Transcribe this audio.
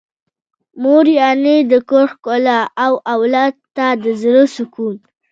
مور يعنې د کور ښکلا او اولاد ته د زړه سکون.